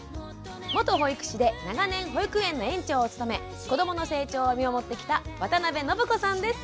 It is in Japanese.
元保育士で長年保育園の園長を務め子どもの成長を見守ってきた渡邊暢子さんです。